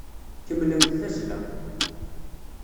Kemmlemt tazzla!